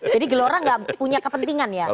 jadi gelora nggak punya kepentingan ya